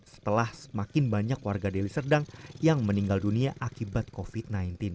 setelah semakin banyak warga deli serdang yang meninggal dunia akibat covid sembilan belas